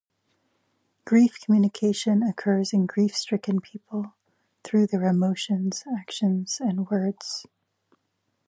Grief communication occurs in grief-stricken people, through their emotions, actions, and words.